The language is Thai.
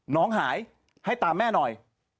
น้องหายให้ตามแม่หน่อย